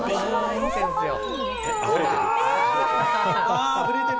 あふれ出る！